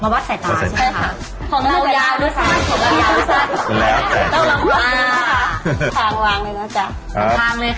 พี่คะคุณคะตรงนี้นะคะเป็นขั้นตอนมะวะใส่ตา